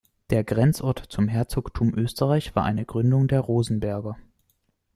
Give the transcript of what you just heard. Der Grenzort zum Herzogtum Österreich war eine Gründung der Rosenberger.